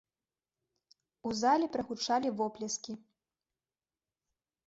У залі прагучалі воплескі.